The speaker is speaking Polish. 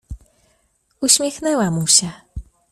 "Uśmiechnęła mu się."